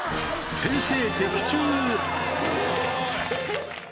先生的中！